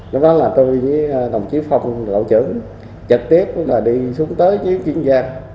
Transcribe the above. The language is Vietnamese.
lúc đó là tôi với đồng chí phong lộ trưởng trực tiếp là đi xuống tới chiếc chiên giang